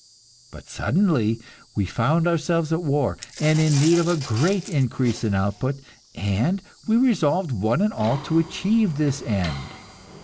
But suddenly we found ourselves at war, and in need of a great increase in output, and we resolved one and all to achieve this end.